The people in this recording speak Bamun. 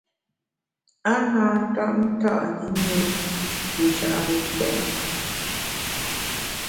A na tap nta’ ṅi mi Nchare tèt nkùt.